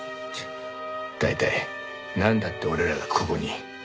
大体なんだって俺らがここに。